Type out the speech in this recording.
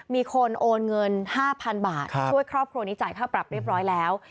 มีคนโอนเงิน๕๐๐๐บาทช่วยครอบครัวนี้จ่ายค่าปรับเรียบร้อยแล้ว